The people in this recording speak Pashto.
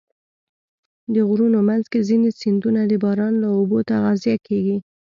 د غرونو منځ کې ځینې سیندونه د باران له اوبو تغذیه کېږي.